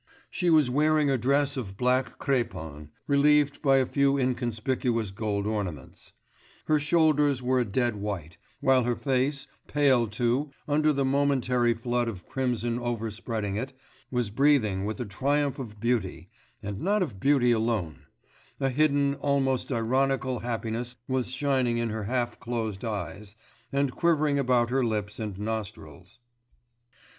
She was wearing a dress of black crépon, relieved by a few inconspicuous gold ornaments; her shoulders were a dead white, while her face, pale too, under the momentary flood of crimson overspreading it, was breathing with the triumph of beauty, and not of beauty alone; a hidden, almost ironical happiness was shining in her half closed eyes, and quivering about her lips and nostrils....